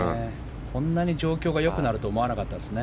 こんなに状況が良くなると思わなかったですね。